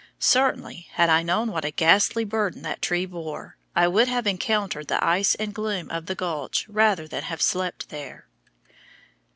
Certainly, had I known what a ghastly burden that tree bore, I would have encountered the ice and gloom of the gulch rather than have slept there.